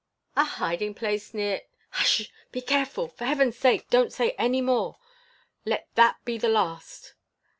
"A hiding place near " "Hush! Be careful, for heaven's sake! Don't say any more. Let that be the last."